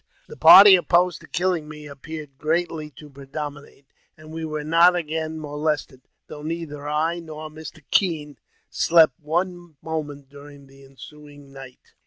The party opposed to killing me appeared greatly to predominate, and we were not again molested, though neither I nor Mr. Kean slept one moment during the ensuing night.